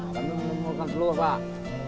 menemukan telur pak